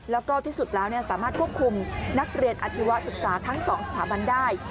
แล้วก็ที่สุดแล้วสามารถควบคุมนักเรียนอาชีวศึกษาทั้ง๒สถาบันได้